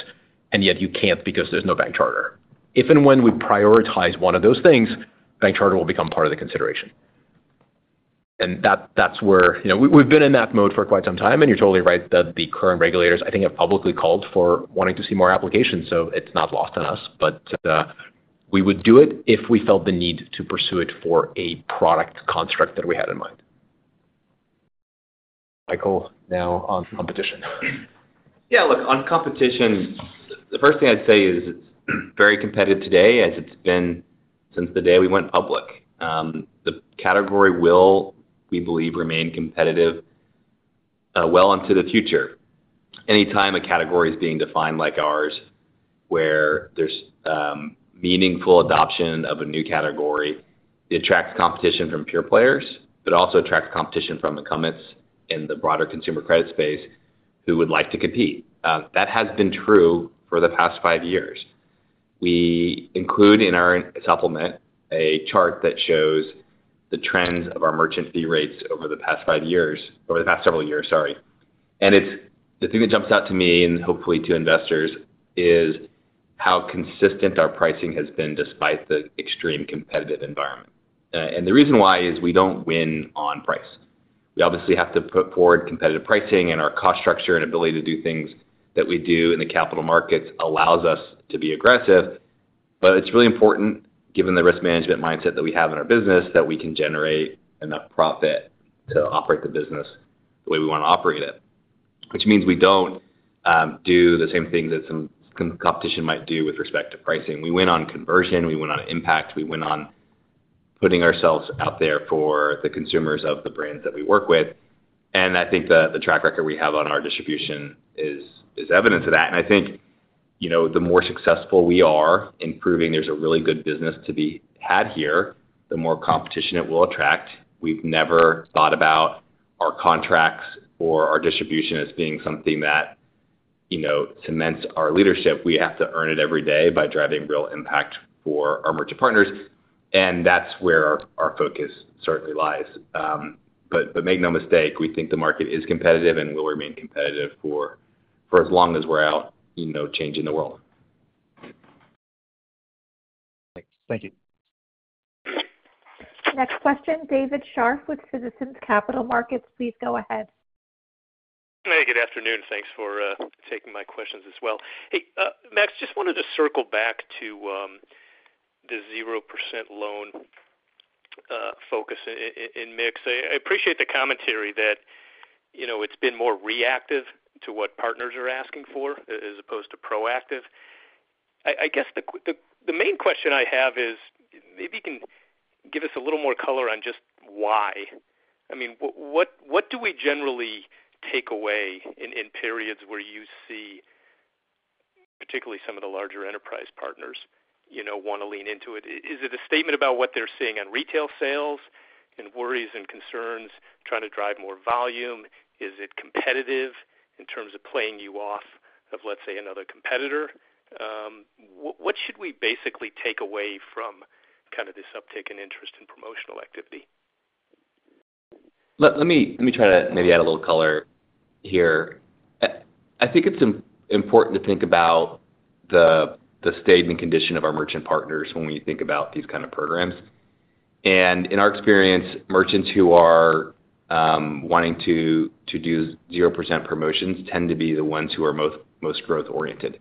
And yet you can't because there's no bank charter." If and when we prioritize one of those things, bank charter will become part of the consideration. And that's where we've been in that mode for quite some time. And you're totally right that the current regulators, I think, have publicly called for wanting to see more applications. So it's not lost on us, but we would do it if we felt the need to pursue it for a product construct that we had in mind. Michael, now on competition. Yeah. Look, on competition, the first thing I'd say is it's very competitive today as it's been since the day we went public. The category will, we believe, remain competitive well into the future. Anytime a category is being defined like ours, where there's meaningful adoption of a new category, it attracts competition from pure players, but it also attracts competition from the incumbents in the broader consumer credit space who would like to compete. That has been true for the past five years. We include in our supplement a chart that shows the trends of our merchant fee rates over the past five years, over the past several years, sorry. And the thing that jumps out to me and hopefully to investors is how consistent our pricing has been despite the extreme competitive environment. And the reason why is we don't win on price. We obviously have to put forward competitive pricing, and our cost structure and ability to do things that we do in the capital markets allows us to be aggressive. But it's really important, given the risk management mindset that we have in our business, that we can generate enough profit to operate the business the way we want to operate it, which means we don't do the same things that some competition might do with respect to pricing. We win on conversion. We win on impact. We win on putting ourselves out there for the consumers of the brands that we work with. And I think the track record we have on our distribution is evidence of that. And I think the more successful we are in proving there's a really good business to be had here, the more competition it will attract. We've never thought about our contracts or our distribution as being something that cements our leadership. We have to earn it every day by driving real impact for our merchant partners. And that's where our focus certainly lies. But make no mistake, we think the market is competitive and will remain competitive for as long as we're out changing the world. Thank you. Next question, David Scharf with Citizens Capital Markets. Please go ahead. Hey, good afternoon. Thanks for taking my questions as well. Hey, Max, just wanted to circle back to the 0% loan focus in mix. I appreciate the commentary that it's been more reactive to what partners are asking for as opposed to proactive. I guess the main question I have is maybe you can give us a little more color on just why. I mean, what do we generally take away in periods where you see, particularly some of the larger enterprise partners want to lean into it? Is it a statement about what they're seeing on retail sales and worries and concerns trying to drive more volume? Is it competitive in terms of playing you off of, let's say, another competitor? What should we basically take away from kind of this uptake and interest in promotional activity? Let me try to maybe add a little color here. I think it's important to think about the state and condition of our merchant partners when we think about these kinds of programs, and in our experience, merchants who are wanting to do 0% promotions tend to be the ones who are most growth-oriented.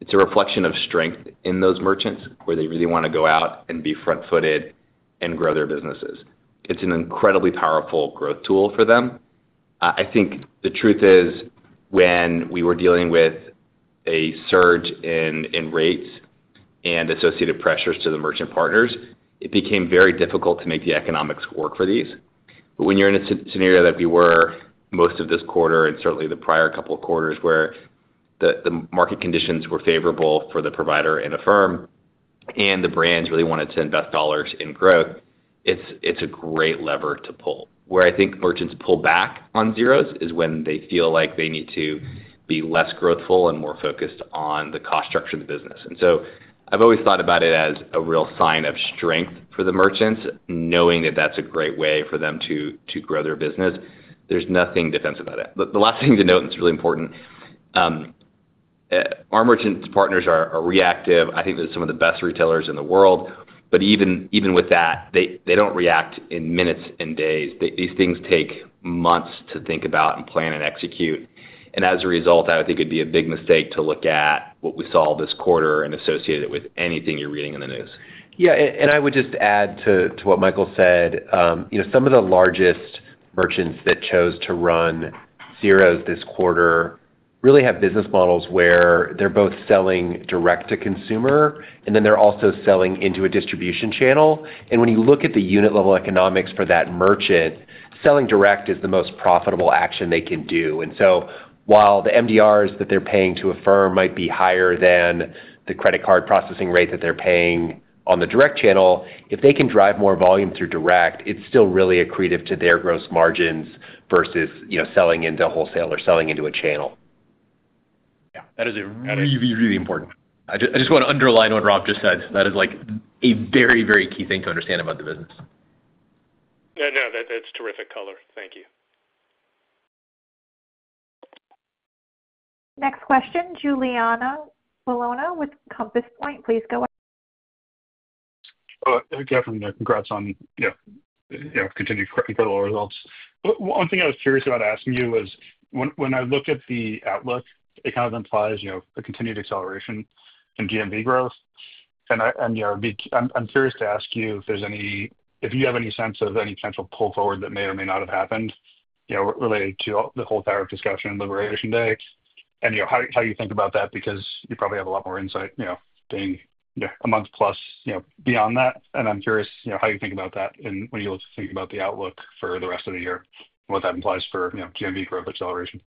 It's a reflection of strength in those merchants where they really want to go out and be front-footed and grow their businesses. It's an incredibly powerful growth tool for them. I think the truth is when we were dealing with a surge in rates and associated pressures to the merchant partners, it became very difficult to make the economics work for these. But when you're in a scenario that we were most of this quarter and certainly the prior couple of quarters where the market conditions were favorable for the provider and Affirm and the brands really wanted to invest dollars in growth, it's a great lever to pull. Where I think merchants pull back on zeros is when they feel like they need to be less growthful and more focused on the cost structure of the business. And so I've always thought about it as a real sign of strength for the merchants, knowing that that's a great way for them to grow their business. There's nothing defensive about it. The last thing to note, and it's really important, our merchant partners are reactive. I think they're some of the best retailers in the world. But even with that, they don't react in minutes and days. These things take months to think about and plan and execute. And as a result, I think it'd be a big mistake to look at what we saw this quarter and associate it with anything you're reading in the news. Yeah. And I would just add to what Michael said. Some of the largest merchants that chose to run zeros this quarter really have business models where they're both selling direct to consumer, and then they're also selling into a distribution channel. And when you look at the unit-level economics for that merchant, selling direct is the most profitable action they can do. And so while the MDRs that they're paying to Affirm might be higher than the credit card processing rate that they're paying on the direct channel, if they can drive more volume through direct, it's still really accretive to their gross margins versus selling into wholesale or selling into a channel. Yeah. That is really, really important. I just want to underline what Rob just said. That is a very, very key thing to understand about the business. Yeah. No, that's terrific color. Thank you. Next question, Giuliano Bologna with Compass Point. Please go ahead. Hey, guys. Congrats on continued incredible results. One thing I was curious about asking you was when I looked at the outlook, it kind of implies a continued acceleration in GMV growth. And I'm curious to ask you if you have any sense of any potential pull forward that may or may not have happened related to the whole tariff discussion and Election Day and how you think about that because you probably have a lot more insight being a month plus beyond that. And I'm curious how you think about that when you think about the outlook for the rest of the year and what that implies for GMV growth acceleration.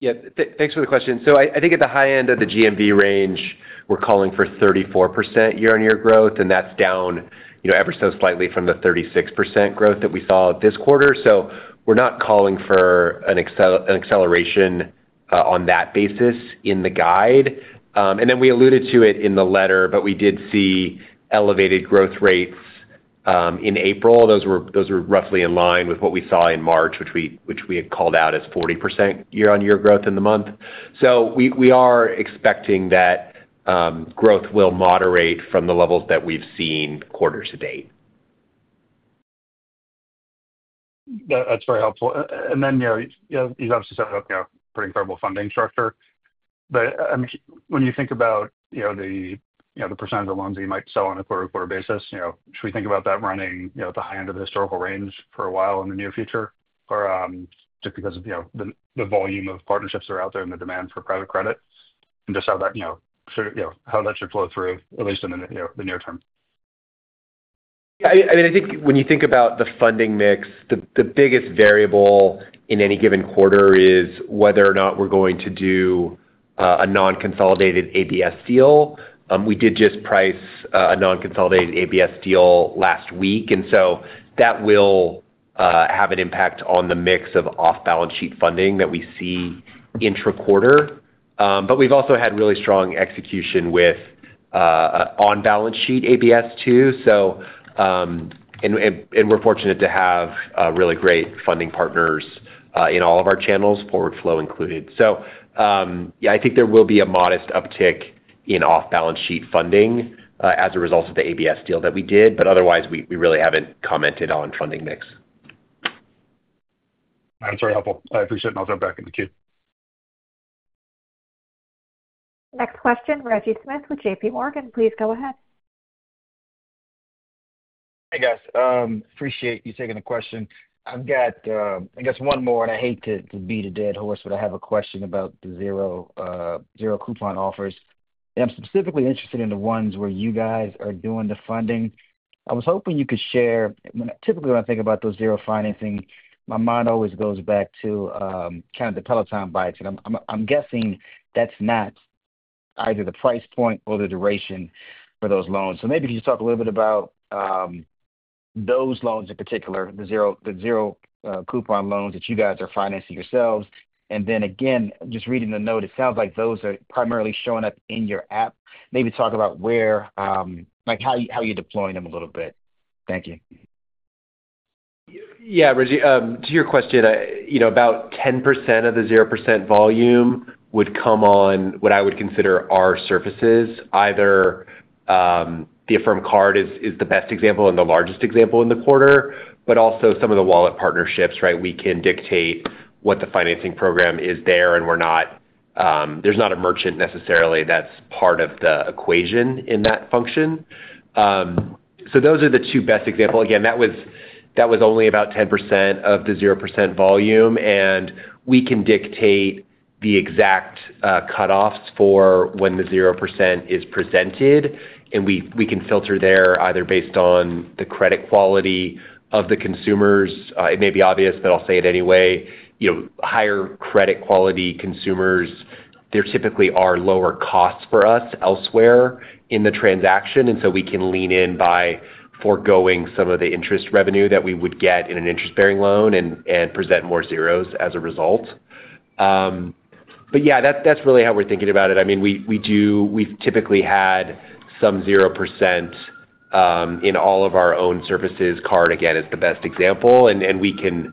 Yeah. Thanks for the question. So I think at the high end of the GMV range, we're calling for 34% year-on-year growth, and that's down ever so slightly from the 36% growth that we saw this quarter. So we're not calling for an acceleration on that basis in the guide. And then we alluded to it in the letter, but we did see elevated growth rates in April. Those were roughly in line with what we saw in March, which we had called out as 40% year-on-year growth in the month. So we are expecting that growth will moderate from the levels that we've seen quarters to date. That's very helpful. And then you've obviously said a pretty incredible funding structure. But when you think about the percentage of loans that you might sell on a quarter-to-quarter basis, should we think about that running at the high end of the historical range for a while in the near future or just because of the volume of partnerships that are out there and the demand for private credit and just how that should flow through, at least in the near term? Yeah. I mean, I think when you think about the funding mix, the biggest variable in any given quarter is whether or not we're going to do a non-consolidated ABS deal. We did just price a non-consolidated ABS deal last week. And so that will have an impact on the mix of off-balance sheet funding that we see intra-quarter. But we've also had really strong execution with on-balance sheet ABS too. And we're fortunate to have really great funding partners in all of our channels, forward flow included. So yeah, I think there will be a modest uptick in off-balance sheet funding as a result of the ABS deal that we did. But otherwise, we really haven't commented on funding mix. That's very helpful. I appreciate it. I'll jump back in the queue. Next question, Reggie Smith with JPMorgan. Please go ahead. Hey, guys. Appreciate you taking the question. I've got, I guess, one more, and I hate to beat a dead horse, but I have a question about the zero coupon offers. And I'm specifically interested in the ones where you guys are doing the funding. I was hoping you could share. Typically, when I think about those zero financing, my mind always goes back to kind of the Peloton bikes. And I'm guessing that's not either the price point or the duration for those loans. So maybe could you talk a little bit about those loans in particular, the zero coupon loans that you guys are financing yourselves? And then again, just reading the note, it sounds like those are primarily showing up in your app. Maybe talk about how you're deploying them a little bit. Thank you. Yeah, Reggie. To your question, about 10% of the 0% volume would come on what I would consider our services. Either the Affirm Card is the best example and the largest example in the quarter, but also some of the wallet partnerships, right? We can dictate what the financing program is there, and there's not a merchant necessarily that's part of the equation in that function. So those are the two best examples. Again, that was only about 10% of the 0% volume. And we can dictate the exact cutoffs for when the 0% is presented. And we can filter there either based on the credit quality of the consumers. It may be obvious, but I'll say it anyway. Higher credit quality consumers, they're typically our lower costs for us elsewhere in the transaction. And so we can lean in by forgoing some of the interest revenue that we would get in an interest-bearing loan and present more zeros as a result. But yeah, that's really how we're thinking about it. I mean, we've typically had some 0% in all of our own services. Card, again, is the best example. And we can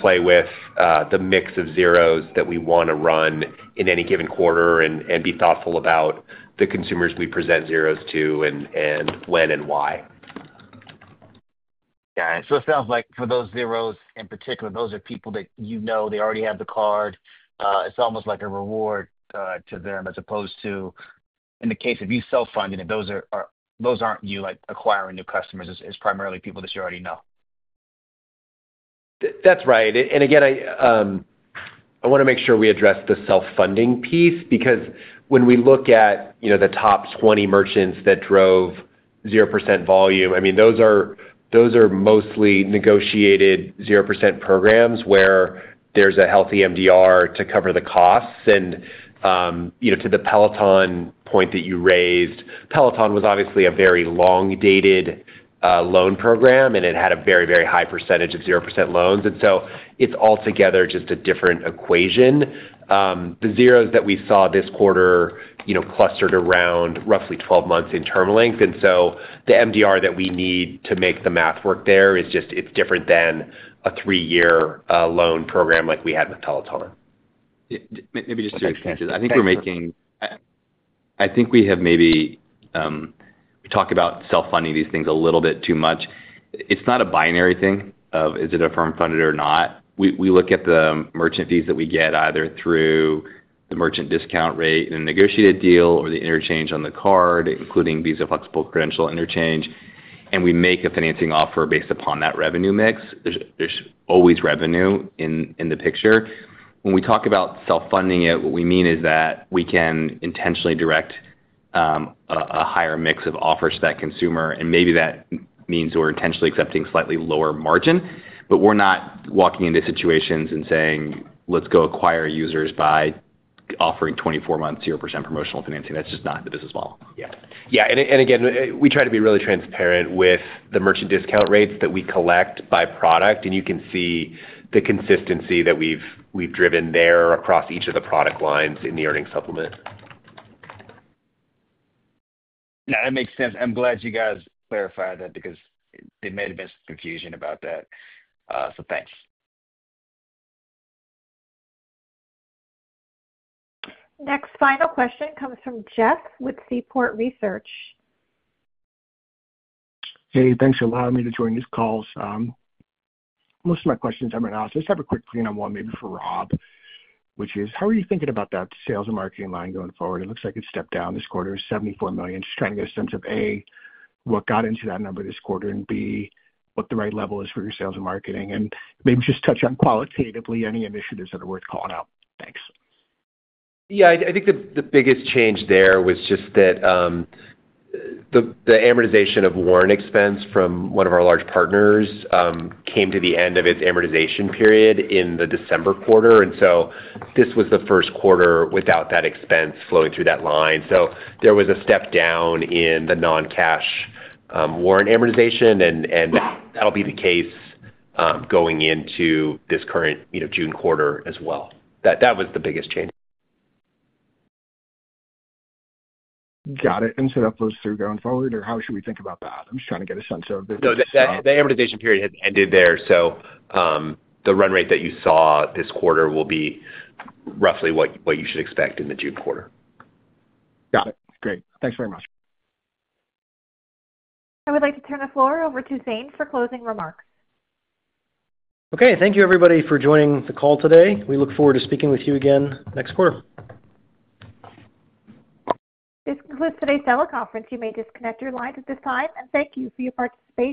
play with the mix of zeros that we want to run in any given quarter and be thoughtful about the consumers we present zeros to and when and why. Got it. So it sounds like for those zeros in particular, those are people that you know. They already have the card. It's almost like a reward to them as opposed to, in the case of you self-funding, those aren't you acquiring new customers. It's primarily people that you already know. That's right. And again, I want to make sure we address the self-funding piece because when we look at the top 20 merchants that drove 0% volume, I mean, those are mostly negotiated 0% programs where there's a healthy MDR to cover the costs. And to the Peloton point that you raised, Peloton was obviously a very long-dated loan program, and it had a very, very high percentage of 0% loans. And so it's altogether just a different equation. The zeros that we saw this quarter clustered around roughly 12 months in term length. And so the MDR that we need to make the math work there is just different than a three-year loan program like we had with Peloton. Maybe just two expansions. I think we talk about self-funding these things a little bit too much. It's not a binary thing of is it Affirm-funded or not. We look at the merchant fees that we get either through the merchant discount rate in a negotiated deal or the interchange on the card, including Visa Flexible Credential interchange, and we make a financing offer based upon that revenue mix. There's always revenue in the picture. When we talk about self-funding it, what we mean is that we can intentionally direct a higher mix of offers to that consumer. And maybe that means we're intentionally accepting slightly lower margin. But we're not walking into situations and saying, "Let's go acquire users by offering 24 months 0% promotional financing." That's just not the business model. Yeah. Yeah. And again, we try to be really transparent with the merchant discount rates that we collect by product. And you can see the consistency that we've driven there across each of the product lines in the earnings supplement. Yeah. That makes sense. I'm glad you guys clarified that because there may have been some confusion about that. So thanks. Next final question comes from Jeff with Seaport Research. Hey, thanks for allowing me to join these calls. Most of my questions have been asked. I just have a quick clean-up one maybe for Rob, which is, how are you thinking about that sales and marketing line going forward? It looks like it stepped down this quarter to $74 million. Just trying to get a sense of, A, what got into that number this quarter, and B, what the right level is for your sales and marketing, and maybe just touch on qualitatively any initiatives that are worth calling out. Thanks. Yeah. I think the biggest change there was just that the amortization of warrant expense from one of our large partners came to the end of its amortization period in the December quarter. And so this was the first quarter without that expense flowing through that line. So there was a step down in the non-cash warrant amortization. And that'll be the case going into this current June quarter as well. That was the biggest change. Got it. And so that flows through going forward, or how should we think about that? I'm just trying to get a sense of. No, the amortization period has ended there. So the run rate that you saw this quarter will be roughly what you should expect in the June quarter. Got it. Great. Thanks very much. I would like to turn the floor over to Zane for closing remarks. Okay. Thank you, everybody, for joining the call today. We look forward to speaking with you again next quarter. This concludes today's teleconference. You may disconnect your lines at this time. And thank you for your participation.